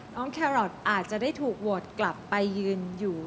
แครอทอาจจะได้ถูกโหวตกลับไปยืนอยู่